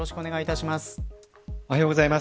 おはようございます。